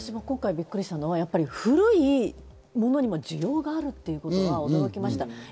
今回びっくりしたのは古いものにも需要があるということは驚きました。